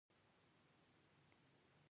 هغوی ساده ګډ ژوند لري.